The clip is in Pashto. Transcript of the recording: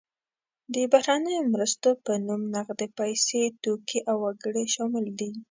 د بهرنیو مرستو په نوم نغدې پیسې، توکي او وګړي شامل دي.